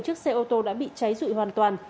chiếc xe ô tô đã bị cháy rụi hoàn toàn